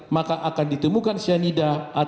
maka akan ditemukan cyanida